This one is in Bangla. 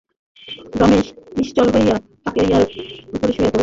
রমেশ নিশ্চল হইয়া তাকিয়ার উপরে শুইয়া পড়িল।